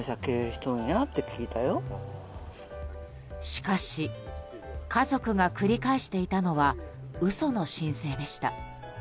しかし家族が繰り返していたのは嘘の申請でした。